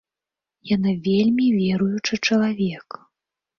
Яна вельмі веруючы чалавек.